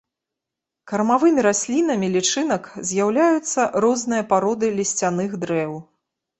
Кармавымі раслінамі лічынак з'яўляюцца розныя пароды лісцяных дрэў.